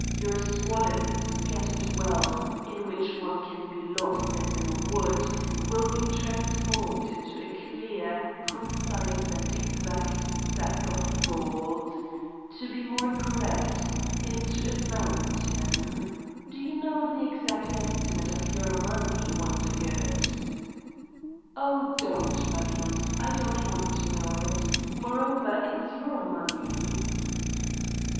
Your swollen, scattered wealth, in which one can be lost as in a wood, will be transformed into a clear, concise and exact sack of gold ... to be more correct into a mountain. Do you know the exact estimate of your money, Wondergood?" 165 Satan's Diary "Oh, don't, Magnus. I don't want to know Moreover, it's your money."